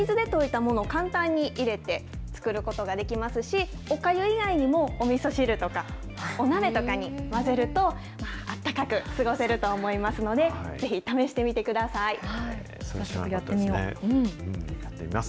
水で溶いたものを簡単に入れて作ることができますし、おかゆ以外にも、おみそ汁とかお鍋とかに混ぜると、あったかく過ごせると思いますので、ぜひ試してみてください。